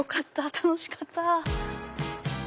楽しかった！